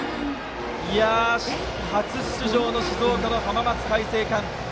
初出場の静岡の浜松開誠館。